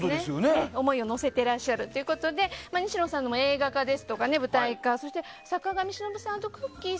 思いを乗せてらっしゃるということで西野さんの映画化や舞台化やそして、坂上忍さんとくっきー！